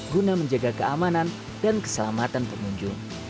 guna menjaga keamanan dan keselamatan pengunjung